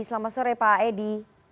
selamat sore pak edi